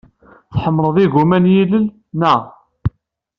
Tḥemmled igumma n yilel, naɣ?